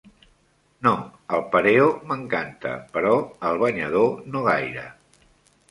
No, el pareo m'encanta, però el banyador no gaire.